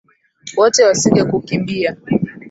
Wote wasingekukimbia